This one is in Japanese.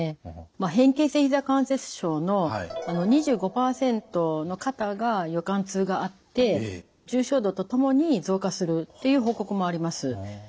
変形性ひざ関節症の２５％の方が夜間痛があって重症度とともに増加するっていう報告もあります。